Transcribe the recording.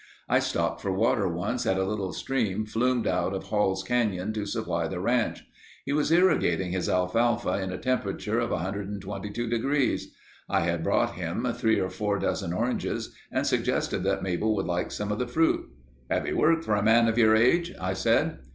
I stopped for water once at the little stream flumed out of Hall's Canyon to supply the ranch. He was irrigating his alfalfa in a temperature of 122 degrees. I had brought him three or four dozen oranges and suggested that Mabel would like some of the fruit. "Heavy work for a man of your age," I said.